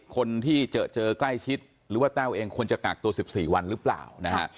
คนที่เจอเจอใกล้ชิดหรือว่าแต้วเองควรจะกักตัว๑๔วันหรือเปล่านะฮะ